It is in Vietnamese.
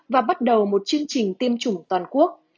và bắt đầu một chương trình tiêm chủng toàn quốc